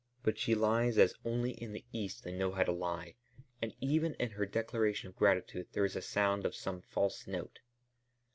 But she lies as only in the East they know how to lie, and even in her declaration of gratitude there is a sound of some false note."